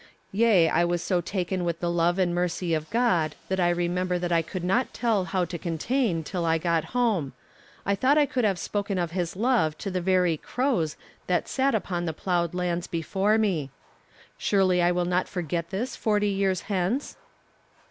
Yea, I was so taken with the love and mercy of God that I remember that I could not tell how to contain till I got home; I thought I could have spoken of His love to the very crows that sat upon the ploughed lands before me. Surely I will not forget this forty years hence?'